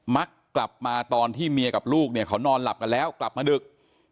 มักกลับมาตอนที่เมียกับลูกเนี่ยเขานอนหลับกันแล้วกลับมาดึก